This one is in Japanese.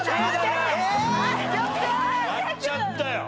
やっちゃったよ。